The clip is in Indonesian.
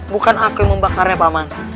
bukan aku yang membakarnya pak man